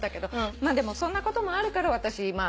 まあでもそんなこともあるから私まあ